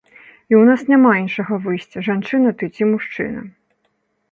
І ў нас няма іншага выйсця, жанчына ты ці мужчына.